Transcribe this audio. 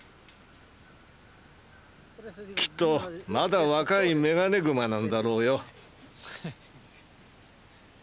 きっとまだ若いメガネグマなんだろうよ。